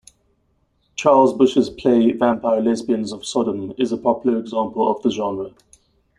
Charles Busch's play "Vampire Lesbians of Sodom" is a popular example of the genre.